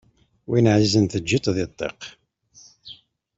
Wi εzizen teǧǧiḍ-t di ṭṭiq